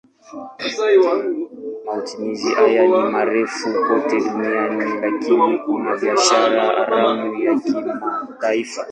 Matumizi haya ni marufuku kote duniani lakini kuna biashara haramu ya kimataifa.